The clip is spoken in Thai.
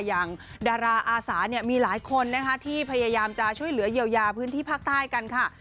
อย่างดาราอาสามีหลายคนนะคะที่พยายามจะช่วยเหลือเยียวยาพื้นที่ภาคใต้กันค่ะ